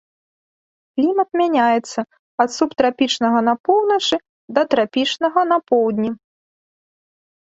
Клімат мяняецца ад субтрапічнага на поўначы да трапічнага на поўдні.